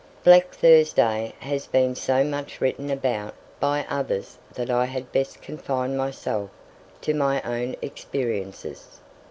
Black Thursday has been so much written about by others that I had best confine myself to my own experiences.